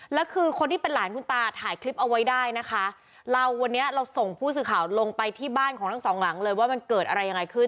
แล้วคือคนที่เป็นหลานคุณตาถ่ายคลิปเอาไว้ได้นะคะเราวันนี้เราส่งผู้สื่อข่าวลงไปที่บ้านของทั้งสองหลังเลยว่ามันเกิดอะไรยังไงขึ้น